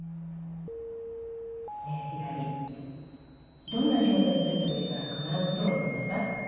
ねえひらりどんな仕事に就いてもいいから必ずプロになんなさい。